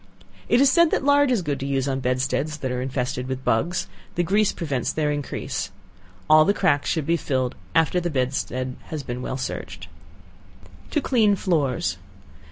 It is said that lard is good to use on bedsteads that are infested with bugs; the grease prevents their increase. All the cracks should be filled after the bedstead has been well searched. To Clean Floors.